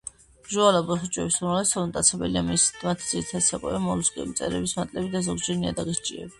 ბზუალა ხოჭოების უმრავლესობა მტაცებლებია, მათი ძირითადი საკვებია მოლუსკები, მწერების მატლები, ზოგჯერ ნიადაგის ჭიები.